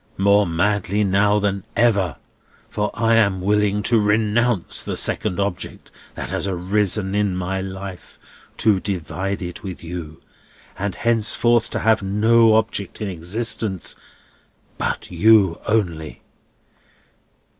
More madly now than ever, for I am willing to renounce the second object that has arisen in my life to divide it with you; and henceforth to have no object in existence but you only.